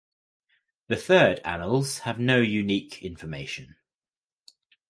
The third "annales" have no unique information.